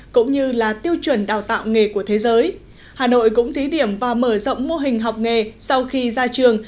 cũng như là tiêu chuẩn đào tạo nghề của thế giới hà nội cũng thí điểm và mở rộng mô hình học nghề sau khi ra trường